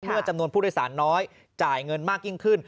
จำนวนผู้โดยสารน้อยจ่ายเงินมากยิ่งขึ้น